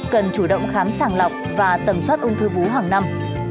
cần chủ động khám sàng lọc và tầm soát ung thư vú hàng năm